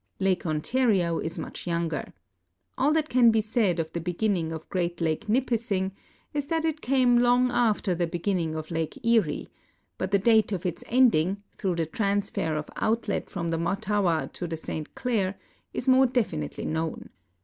Lake Ontario is much younger. All that can he said of the hegiiming of (Jreat Lake Nipissing is that it came long after the beginning of liiike Erie, but the date of its ending, through the transfer of outlet from the Mattawa to the St Clair, is more definitely known.